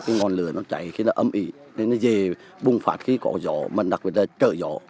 ngọn lửa nó cháy khi nó ấm ị nó về bùng phát khi có gió mà đặc biệt là trở gió